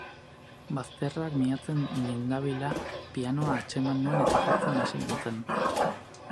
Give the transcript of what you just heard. Bazterrak mihatzen nindabila, pianoa atxeman nuen eta jotzen hasi nintzen.